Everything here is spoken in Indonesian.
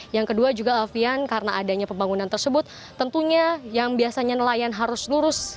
yang kedua juga alfian karena adanya pembangunan tersebut tentunya yang biasanya nelayan harus lurus